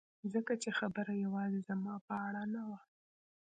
ځکه چې خبره یوازې زما په اړه نه وه